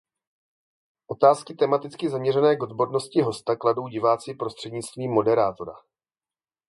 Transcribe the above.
Otázky tematicky zaměřené k odbornosti hosta kladou diváci prostřednictvím moderátora.